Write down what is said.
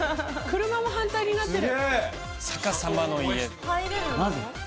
車も反対になってる逆さまの家なぜ？